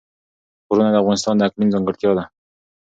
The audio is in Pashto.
غرونه د افغانستان د اقلیم ځانګړتیا ده.